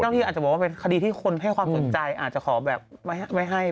ที่อาจจะบอกว่าเป็นคดีที่คนให้ความสนใจอาจจะขอแบบไม่ให้